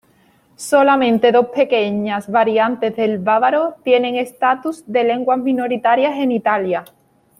Solamente dos pequeñas variantes del bávaro tienen estatus de lenguas minoritarias en Italia.